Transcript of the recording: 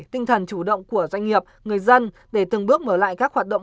tinh thần chủ động của doanh nghiệp người dân để từng bước mở lại các hoạt động